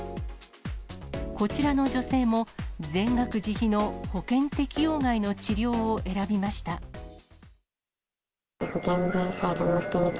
こちらの女性も、全額自費の保険適用外の治療を選びました。